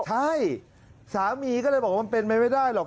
ใช่สามีก็เลยบอกว่ามันเป็นไปไม่ได้หรอก